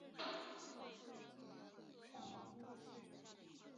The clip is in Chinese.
上海静安香格里拉大酒店网址